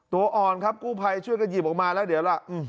ตัวอ่อนกู้ไพช่วยกันหยิบออกมาแล้วเดี๋ยว